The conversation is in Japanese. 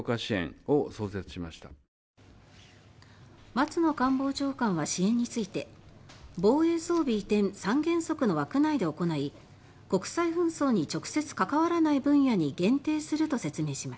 松野官房長官は支援について防衛装備移転３原則の枠内で行い国際紛争に直接関わらない分野に限定すると説明しました。